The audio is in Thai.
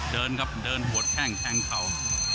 เดินครับเดินหัวแข้งแทงเข่า